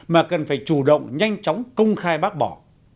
mà cần phải chủ động nhanh chóng công khai bác bỏ